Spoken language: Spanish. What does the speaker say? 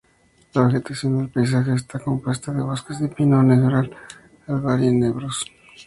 La vegetación del paisaje está compuesta de bosques de pino negral, albar y enebros.